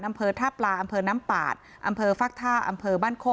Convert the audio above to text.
อำเภอท่าปลาอำเภอน้ำปาดอำเภอฟักท่าอำเภอบ้านโค